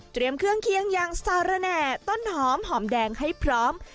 เครื่องเคียงอย่างสารแหน่ต้นหอมหอมแดงให้พร้อม